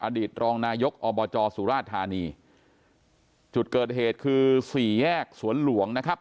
อดีตรองนายกอบจสุราธานีจุดเกิดเหตุคือสี่แยกสวนหลวงนะครับ